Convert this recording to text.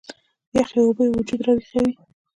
يخې اوبۀ وجود راوېخوي